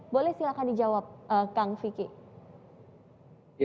boleh silahkan dijawab kang vicky